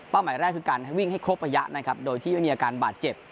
หมายแรกคือการให้วิ่งให้ครบระยะนะครับโดยที่ไม่มีอาการบาดเจ็บ